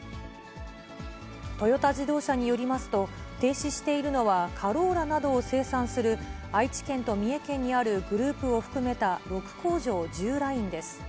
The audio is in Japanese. トヨタ自動車によりますと、停止しているのはカローラなどを生産する愛知県と三重県にあるグループを含めた、６工場１０ラインです。